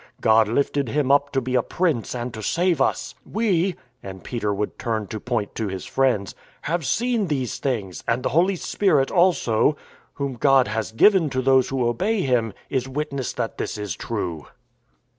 God lifted Him up to be a Prince and to save us. ... We (and Peter would turn to point to his friends) have seen these things; and the Holy Spirit also (Whom God has given to those who obey Him) is witness that this is true."